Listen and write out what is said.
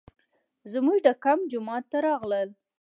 زموږ د کمپ جومات ته راغلل.